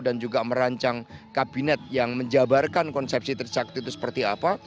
dan juga merancang kabinet yang menjabarkan konsepsi tercak itu seperti apa